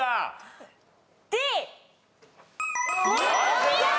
お見事！